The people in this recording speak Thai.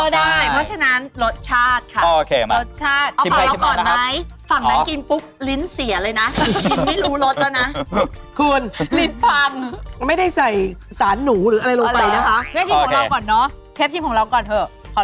อ๋อฟังก่อนไหมฝั่งนั้นกินปุ๊บลิ้นเสียเลยนะ